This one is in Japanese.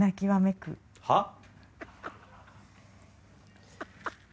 はっ？